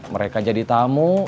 mereka jadi tamu